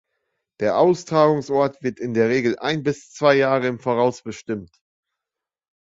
Der Austragungsort wird in der Regel ein bis zwei Jahre im Voraus bestimmt.